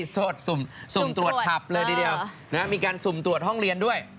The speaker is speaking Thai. โทษสุ่มตรวจผับเลยทีเดียวมีการสุ่มตรวจห้องเรียนด้วย